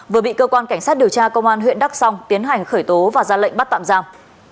vừa bị cơ quan cảnh sát điều tra công an huyện đắk song tiến hành khởi tố và ra lệnh bắt tạm giam